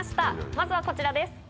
まずはこちらです。